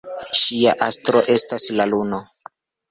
Ŝia astro estas la luno.